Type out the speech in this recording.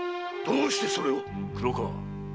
どうしてそれを⁉黒川